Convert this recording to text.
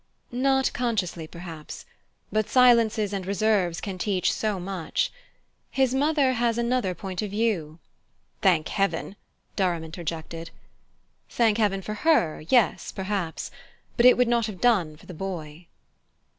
"Not consciously, perhaps; but silences and reserves can teach so much. His mother has another point of view " "Thank heaven!" Durham interjected. "Thank heaven for her yes perhaps; but it would not have done for the boy."